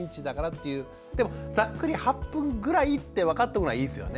でもざっくり８分ぐらいって分かっておくのはいいですよね。